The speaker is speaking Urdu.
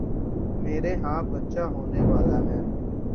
میرے ہاں بچہ ہونے والا ہے